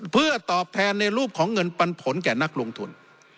เพื่อตอบแทนในรูปของเงินปันผลแก่นักลงทุน